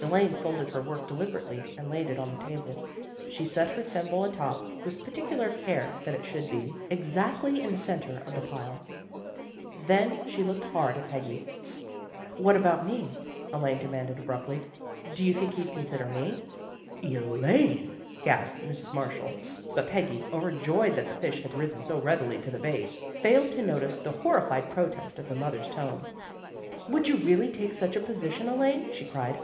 Elaine folded her work deliberately and laid it on the table. She set her thimble atop, with particular care that it should be exactly 276 THE GIRLS OF FRIENDLY TERRACE in the centre of the pile. Then she looked hard at Peggy. " What about me? " Elaine demanded ab bruptly. " Do you think he'd consider me? " "Elaine!" gasped Mrs. Marshall. But Peggy, overjoyed that the fish had risen so readily to the bait, failed to notice the horri fied protest of the mother's tone. " Would you really take such a position, Elaine?" she cried.